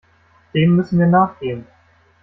Dem müssen wir nachgehen.